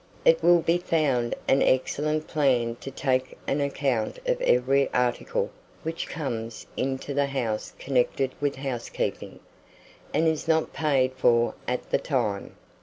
It will be found an excellent plan to take an account of every article which comes into the house connected with housekeeping, and is not paid for at the time.